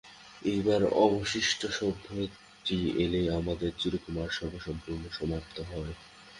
এইবার অবশিষ্ট সভ্যটি এলেই আমাদের চিরকুমার-সভা সম্পূর্ণ সমাপ্ত হয়!